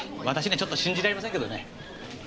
私にはちょっと信じられませんけどね。